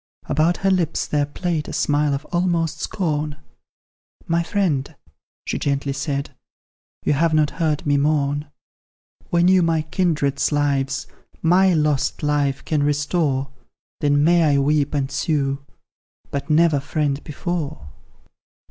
About her lips there played a smile of almost scorn, "My friend," she gently said, "you have not heard me mourn; When you my kindred's lives, MY lost life, can restore, Then may I weep and sue, but never, friend, before!